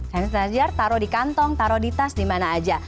hand sanitizer taruh di kantong taruh di tas di mana aja